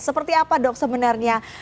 seperti apa dok sebenarnya